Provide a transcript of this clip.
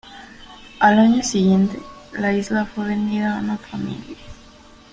Al año siguiente, la isla fue vendida a una familia.